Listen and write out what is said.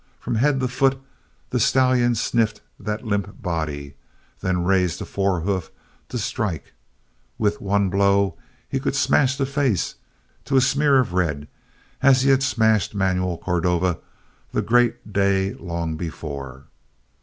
From head to foot the stallion sniffed that limp body, then raised a forehoof to strike; with one blow he could smash the face to a smear of red as he had smashed Manuel Cordova the great day long before.